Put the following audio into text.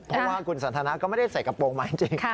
เพราะว่าคุณสันทนาก็ไม่ได้ใส่กระโปรงมาจริง